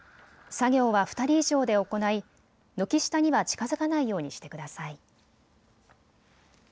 作業は２人以上で行い、軒下には近づかないようにしてください。